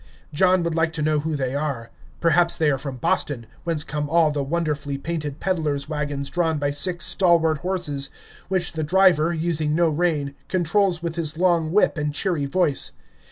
John would like to know who they are. Perhaps they are from Boston, whence come all the wonderfully painted peddlers' wagons drawn by six stalwart horses, which the driver, using no rein, controls with his long whip and cheery voice.